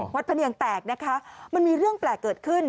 วัดทะเนียงแปลกนะครับมันมีเรื่องแปลกเกิดขึ้น